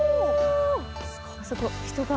あそこ人が。